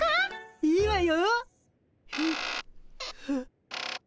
いいわよ。